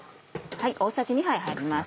大さじ２杯入ります。